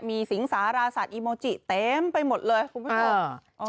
มีสิงสาราสัตว์อีโมจิเต็มไปหมดเลยคุณผู้ชม